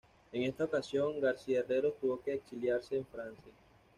En esta ocasión, García-Herreros tuvo que exiliarse en Francia.